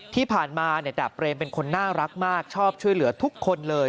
ที่ผ่านมาดาบเรมเป็นคนน่ารักมากชอบช่วยเหลือทุกคนเลย